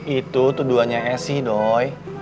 itu tuduhannya esi doi